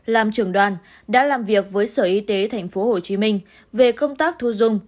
làm trưởng đoàn đã làm việc với sở y tế tp hcm về công tác thu dung